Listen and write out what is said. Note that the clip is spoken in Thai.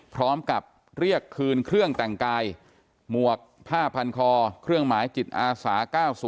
พร้อมกับเรียกคืนเครื่องแต่งกายหมวกผ้าพันคอเครื่องหมายจิตอาสา๙๐